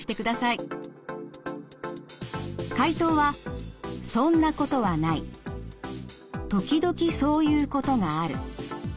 回答は「そんなことはない」「時々そういうことがある」